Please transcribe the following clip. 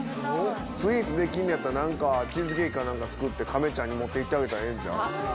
スイーツできんのやったら何かチーズケーキか何か作って亀ちゃんに持って行ってあげたらええんちゃう？